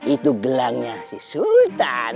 itu gelangnya si sultan